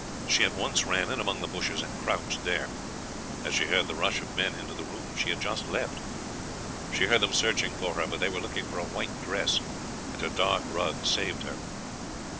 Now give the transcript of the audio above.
She at once ran in among the bushes and crouched there, as she heard the rush of men into the room she had just left. She heard them searching for her, but they were looking for a white dress, and her dark rug saved her.